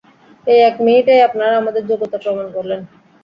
এই এক মিনিটেই আপনারা আপনাদের যোগ্যতা প্রমাণ করলেন।